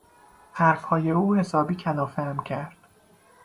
حرفهای او حسابی کلافهام کرد.